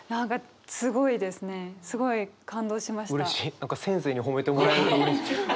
何か先生に褒めてもらえるうれしい。